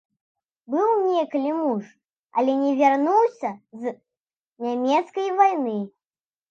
Быў некалі муж, але не вярнуўся з нямецкай вайны.